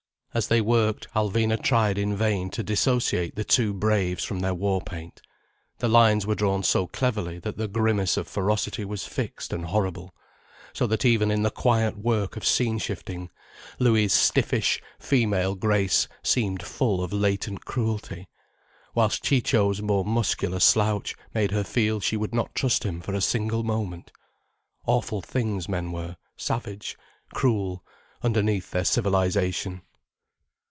As they worked, Alvina tried in vain to dissociate the two braves from their war paint. The lines were drawn so cleverly that the grimace of ferocity was fixed and horrible, so that even in the quiet work of scene shifting Louis' stiffish, female grace seemed full of latent cruelty, whilst Ciccio's more muscular slouch made her feel she would not trust him for one single moment. Awful things men were, savage, cruel, underneath their civilization.